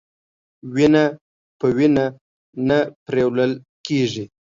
وينه په وينه نه پريوله کېږي.